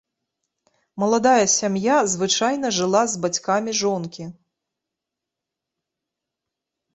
Маладая сям'я звычайна жыла з бацькамі жонкі.